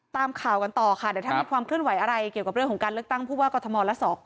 ตามข่าวกันต่อค่ะเดี๋ยวถ้ามีความเคลื่อนไหวอะไรเกี่ยวกับเรื่องของการเลือกตั้งผู้ว่ากรทมและสก